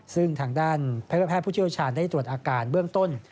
ซึ่งทางด้านแพทย์ผู้เชี่ยวชาญได้ตรวจอาการเบื้องต้น